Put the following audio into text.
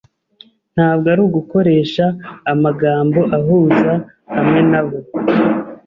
Ntabwo ari gukoresha amagambo ahuza hamwe nabo.